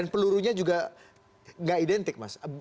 dan pelurunya juga nggak identik mas